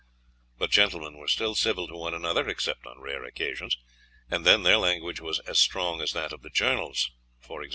But gentlemen were still civil to one another, except on rare occasions, and then their language was a strong as that of the journals, e.g.